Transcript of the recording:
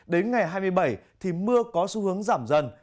đến ngày hai mươi bảy thì mưa có xu hướng giảm dần